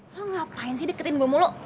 lo ngapain sih deketin gua mulu